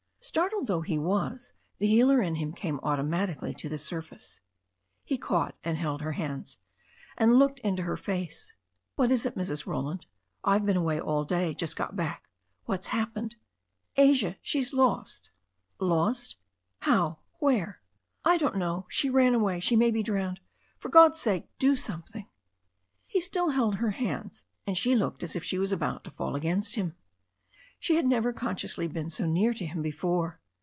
Startled though he was, the healer in him came auto matically to the surface. He caught and held her hands, and looked down into her face. "What is it, Mrs. Roland? I've been away all day; just got back. What's happened?" "Asia— she's lost " "Lost! How? Where?" "I don't know. She ran away — she may be drowned. For God's sake do something " He still held her hands, and she looked as if she was about to fall against him. She had never consciously been so near to him before.